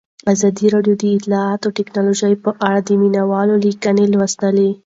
ازادي راډیو د اطلاعاتی تکنالوژي په اړه د مینه والو لیکونه لوستي.